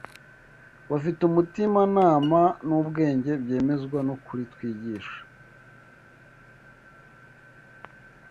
bafite umutimanama n’ubwenge byemezwa n’ukuri twigisha.